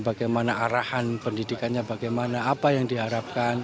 bagaimana arahan pendidikannya bagaimana apa yang diharapkan